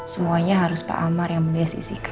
semuanya harus pak amar yang mendesisikan